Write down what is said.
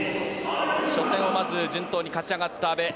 初戦をまず順当に勝ち上がった阿部。